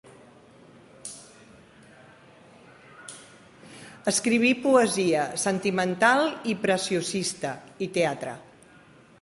Escriví poesia, sentimental i preciosista, i teatre.